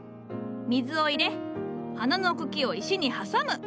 水を入れ花の茎を石に挟む。